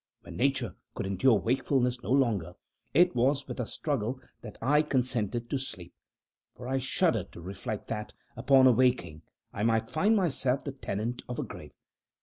When Nature could endure wakefulness no longer, it was with a struggle that I consented to sleep for I shuddered to reflect that, upon awaking, I might find myself the tenant of a grave.